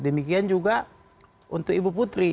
demikian juga untuk ibu putri